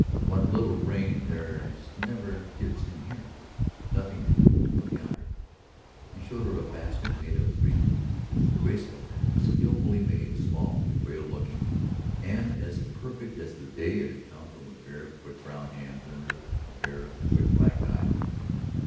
"What little rain there is never gets in here. Nothing decays; look yonder." He showed her a basket made of withes, a graceful thing skilfully made, small, frail looking, and as perfect as the day it had come from a pair of quick brown hands under a pair of quick black eyes.